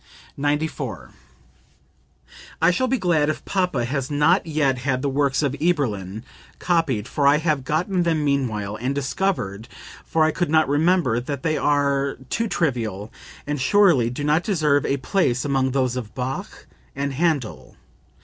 94. "I shall be glad if papa has not yet had the works of Eberlin copied, for I have gotten them meanwhile, and discovered, for I could not remember, that they are too trivial and surely do not deserve a place among those of Bach and Handel.